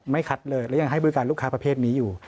คัดเลยแล้วยังให้บริการลูกค้าประเภทนี้อยู่